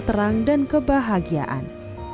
semoga terang dan kebahagiaan